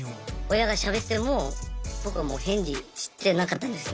親がしゃべっても僕はもう返事してなかったんですよ。